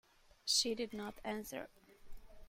She did not answer.